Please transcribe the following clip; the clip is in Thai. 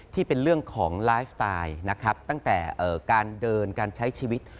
ที่เป็นเรื่องของไลฟ์สไตล์นะครับตั้งแต่การเดินการใช้ชีวิต